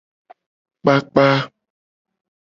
Kpakpa.